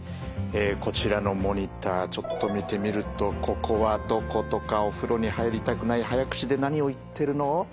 こちらのモニターちょっと見てみると「ここはどこ？」とか「お風呂に入りたくない」「早口で何を言ってるの？」。